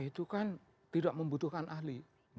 itu kan tidak membutuhkan ahli